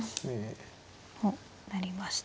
おっ成りました。